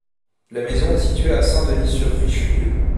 La maison est située à Saint-Denis-sur-Richelieu.